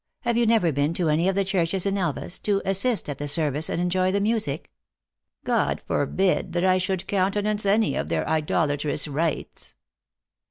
Have you never been to any of the churches in Elvas, to assist at the service and enjoy the music?" u God forbid that I should countenance any of their idolatrous rites."